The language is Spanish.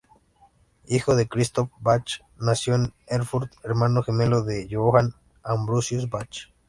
Hijo de Christoph Bach, nació en Erfurt, hermano gemelo de Johann Ambrosius Bach.